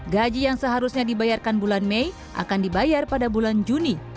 gaji yang seharusnya dibayarkan bulan mei akan dibayar pada bulan juni